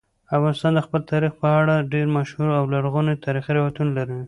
افغانستان د خپل تاریخ په اړه ډېر مشهور او لرغوني تاریخی روایتونه لري.